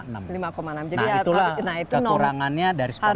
nah itulah kekurangannya dari sponsor